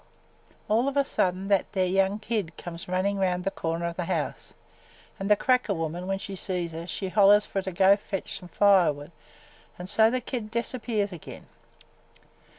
All of a sudden that there young kid come runnin' around the corner of the house an' the cracker woman, when she sees her, she hollers fer her to go fetch some fire wood an' so the kid disappears again.